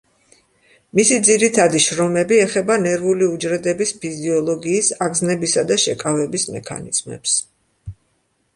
მისი ძირითადი შრომები ეხება ნერვული უჯრედების ფიზიოლოგიის, აღგზნებისა და შეკავების მექანიზმებს.